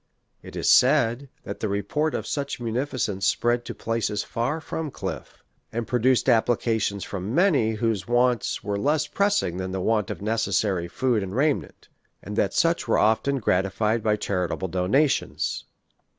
It is said, that the report of such munificence spread to places far from Cliffe, and produced applications from many whose wants were less pressing than the want of necessary food and raiment, and that such were often gratified by chari table donations.